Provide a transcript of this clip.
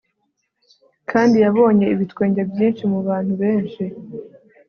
kandi yabonye ibitwenge byinshi mubantu benshi